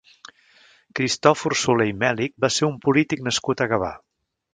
Cristòfor Solé i Mèlich va ser un polític nascut a Gavà.